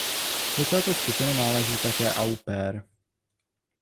Do této skupiny náleží také au pair.